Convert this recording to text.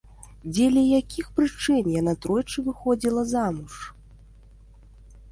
Дзеля якіх прычын яна тройчы выходзіла замуж?